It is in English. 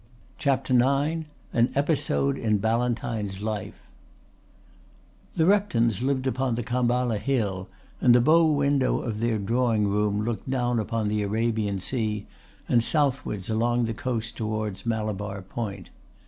CHAPTER IX AN EPISODE IN BALLANTYNE'S LIFE The Reptons lived upon the Khamballa Hill and the bow window of their drawing room looked down upon the Arabian Sea and southwards along the coast towards Malabar Point.